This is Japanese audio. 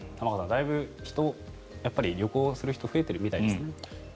だいぶ旅行をする人が増えているみたいですね。